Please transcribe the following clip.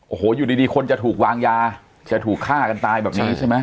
โอ้โหอยู่ดีคนจะถูกวางยาจะถูกฆ่ากันตายแบบนี้ใช่ไหม